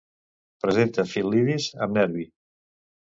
Presenta fil·lidis amb nervi.